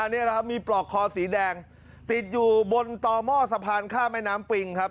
นี่แหละครับมีปลอกคอสีแดงติดอยู่บนต่อหม้อสะพานข้ามแม่น้ำปิงครับ